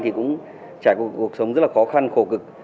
thì cũng trải cuộc sống rất là khó khăn khổ cực